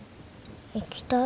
行きたい。